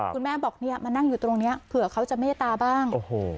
คุณแม่บอกเนี่ยมานั่งอยู่ตรงนี้เผื่อเขาจะเมตตาบ้าง